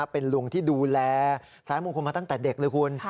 เป็นลุงที่ดูแลสายมงคลมาตั้งแต่เด็กเลยคุณ